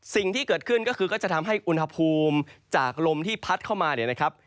สิ่งที่เกิดขึ้นก็คือก็จะทำให้อุณหภูมิจากลมที่พัดเข้ามาเนี่ยนะครับ